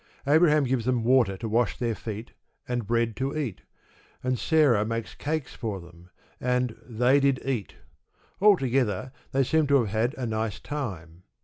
Abraham gives them water to wash their feet, and bread to eat, and Sarah makes cakes for them, and "they did eat"; altogether, they seemed to have had a nice time.